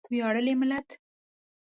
ویاړلی ملت.